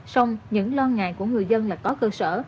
xong những lo ngại của người dân là có cơ sở